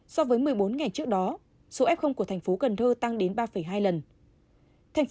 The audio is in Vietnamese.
so với một mươi bốn ngày trước đó số f của thành phố cần thơ tăng đến ba hai lần